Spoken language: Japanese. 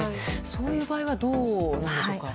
そういう場合はどうなんでしょうか。